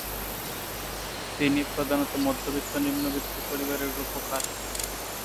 তিনি প্রধানত মধ্যবিত্ত নিম্নবিত্ত পরিবারের রূপকার।